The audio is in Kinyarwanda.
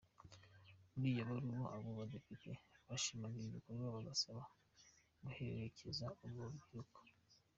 Muri iyo baruwa abo badepite bashimaga iki gikorwa, bagasaba guherekeza urwo rubyiruko.